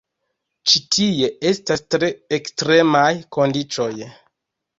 Ĉi tie estas tre ekstremaj kondiĉoj.